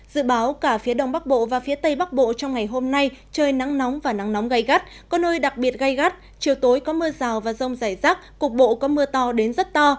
dự báo cả phía đông bắc bộ và phía tây bắc bộ trong ngày hôm nay trời nắng nóng và nắng nóng gai gắt có nơi đặc biệt gai gắt chiều tối có mưa rào và rông rải rác cục bộ có mưa to đến rất to